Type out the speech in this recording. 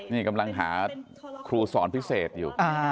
นี่กำลังหาครูสอนพิเศษอยู่